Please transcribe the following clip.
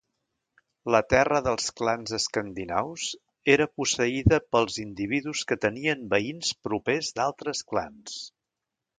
La terra dels clans escandinaus era posseïda pels individus que tenien veïns propers d'altres clans.